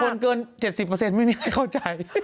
เกิน๗๐ไม่มีใครเข้าใจ